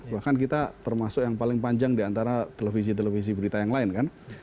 bahkan kita termasuk yang paling panjang diantara televisi televisi berita yang lain kan